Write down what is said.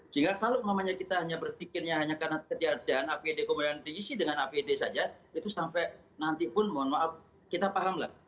sehingga kalau kita hanya berpikirnya hanya karena ketiadaan apd kemudian diisi dengan apd saja itu sampai nanti pun mohon maaf kita pahamlah